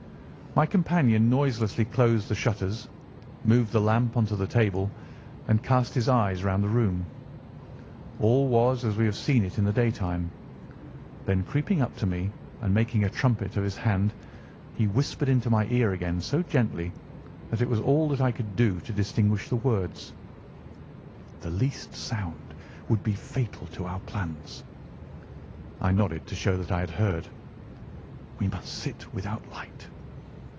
My companion noiselessly closed the shutters, moved the lamp onto the table, and cast his eyes round the room. All was as we had seen it in the daytime. Then creeping up to me and making a trumpet of his hand, he whispered into my ear again so gently that it was all that I could do to distinguish the words: "The least sound would be fatal to our plans." I nodded to show that I had heard. "We must sit without light.